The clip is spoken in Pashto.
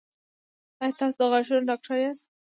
ایا تاسو د غاښونو ډاکټر یاست؟